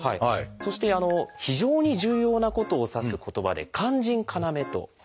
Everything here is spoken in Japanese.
そして非常に重要なことを指す言葉で「肝腎要」と。